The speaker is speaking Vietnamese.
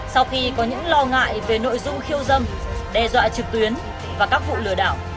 sau khi có những lo ngại về nội dung khiêu dâm đe dọa trực tuyến và các vụ lừa đảo